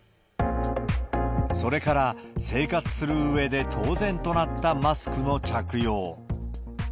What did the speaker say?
それから、生活するうえで当然となったマスクの着用。